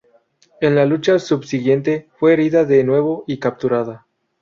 En la lucha subsiguiente, fue herida de nuevo y capturada.